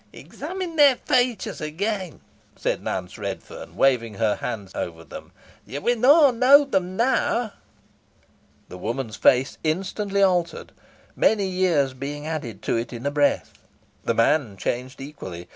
"Examine their features again," said Nance Redferne, waving her hands over them. "Yo win aw knoa them now." The woman's face instantly altered. Many years being added to it in a breath. The man changed equally.